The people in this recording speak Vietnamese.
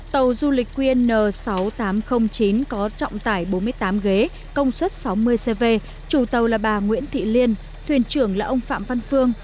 tàu du lịch qn sáu nghìn tám trăm linh chín có trọng tải bốn mươi tám ghế công suất sáu mươi cv chủ tàu là bà nguyễn thị liên thuyền trưởng là ông phạm văn phương